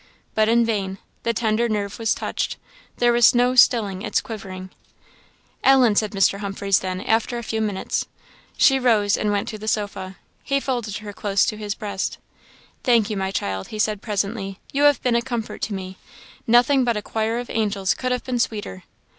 But in vain; the tender nerve was touched; there was no stilling its quivering. "Ellen!" said Mr. Humphreys then, after a few minutes. She rose and went to the sofa. He folded her close to his breast. "Thank you, my child," he said, presently "you have been a comfort to me. Nothing but a choir of angels could have been sweeter."